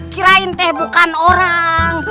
kirain bukan orang